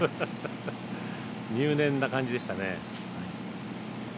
入念な感じでしたね。